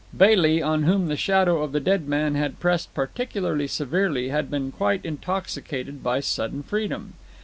Bailey, on whom the shadow of the dead man had pressed particularly severely, had been quite intoxicated by sudden freedom.